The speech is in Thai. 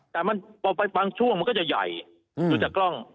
แต่บางช่วงมันก็จะใหญ่ดูจากกล้อง